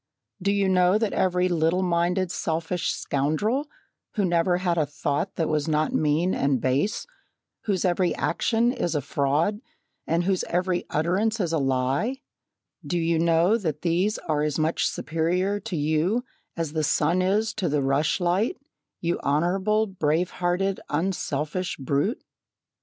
Do you know that every little minded selfish scoundrel, who never had a thought that was not mean and base whose every action is a fraud and whose every utterance is a lie; do you know that these are as much superior to you as the sun is to the rush light, you honourable, brave hearted, unselfish brute?